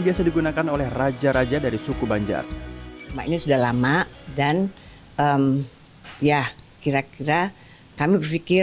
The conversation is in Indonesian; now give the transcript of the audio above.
biasa digunakan oleh raja raja dari suku banjar ini sudah lama dan ya kira kira kami berpikir